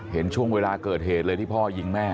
เห็นช่วงเวลาเกิดเหตุเลยที่พ่อยิงแม่